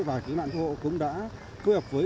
và cứu nạn cứu hộ cũng đã phối hợp với